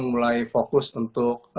mulai fokus untuk